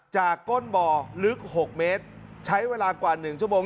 ก้นบ่อลึก๖เมตรใช้เวลากว่า๑ชั่วโมง